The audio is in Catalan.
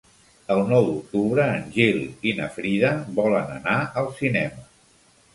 El nou d'octubre en Gil i na Frida volen anar al cinema.